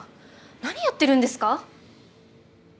何やってるんですか！